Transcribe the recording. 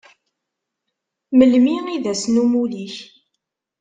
Melmi i d ass n umuli-k?